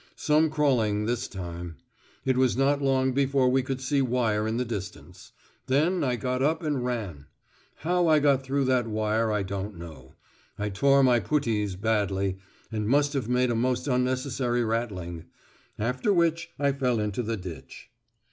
Some crawling this time! It was not long before we could see wire in the distance. Then I got up and ran. How I got through that wire I don't know; I tore my puttees badly, and must have made a most unnecessary rattling. After which I fell into the ditch.